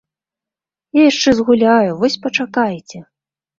Я яшчэ згуляю, вось пачакайце!